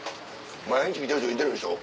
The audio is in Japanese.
毎日見てる人いてるでしょ？